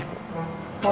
mau dikirim dari toko